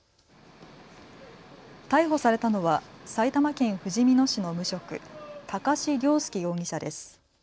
逮捕されたのは埼玉県ふじみ野市の無職、高師良介容疑者です。